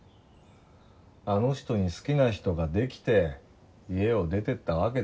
あの人に好きな人ができて家を出ていったわけだから。